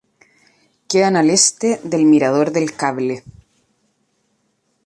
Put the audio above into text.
Quedan al este del Mirador del Cable.